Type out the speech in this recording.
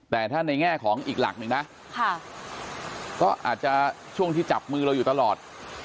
แต่ถ้าในแง่ของอีกหลักหนึ่งนะก็อาจจะช่วงที่จับมือเราอยู่ตลอด